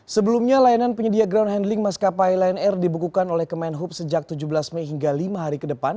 sebelumnya layanan penyedia ground handling maskapai lion air dibekukan oleh kemenhub sejak tujuh belas mei hingga lima hari ke depan